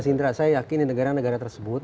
mas indra saya yakin di negara negara tersebut